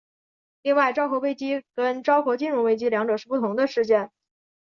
另外昭和危机跟昭和金融危机两者是不同的事件。